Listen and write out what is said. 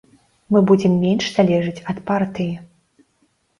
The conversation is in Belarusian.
Мы будзем менш залежыць ад партыі.